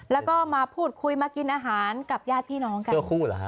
แล้วก็มาพูดคุยมากินอาหารกับยาดพี่น้องขั้น